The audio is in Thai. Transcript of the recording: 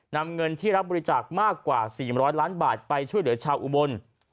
นำเงินที่รับบริจาคมากกว่า๔๐๐ล้านบาทไปช่วยเหลือชาวอุบล